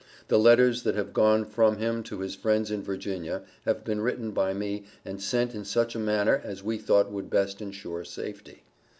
The letters that have gone from him to his friends in Virginia, have been written by me, and sent in such a manner as we thought would best ensure safety.